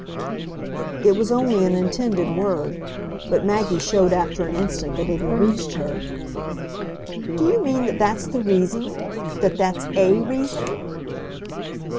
It was only an intended word, but Maggie showed after an instant that it had reached her. "Do you mean that that's the reason, that that's A reason